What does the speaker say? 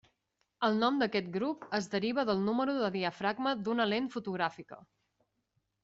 El nom d'aquest grup es deriva del número de diafragma d'una lent fotogràfica.